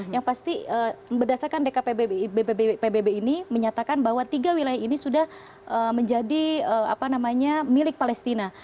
yang pasti berdasarkan pbb ini menyatakan bahwa tiga wilayah ini sudah menjadi milik palestina